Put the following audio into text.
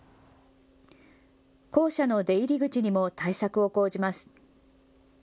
校舎の出入り口にも対策を講じます。